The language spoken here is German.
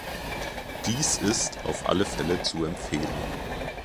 Dies ist auf alle Fälle zu empfehlen.